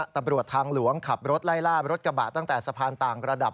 ตำรวจทางหลวงขับรถไล่ล่ารถกระบะตั้งแต่สะพานต่างระดับ